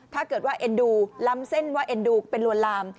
ถ้าเกิดว่าเอ็นดูล้ำเส้นว่าเอ็นดูเป็นลวนลาม